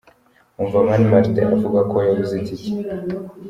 Umva Mani Martin avuga ko yabuze Itike :.